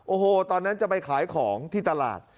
โอ้โหตอนนั้นจะไปขายของที่ตลาด